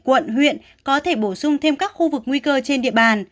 quận huyện có thể bổ sung thêm các khu vực nguy cơ trên địa bàn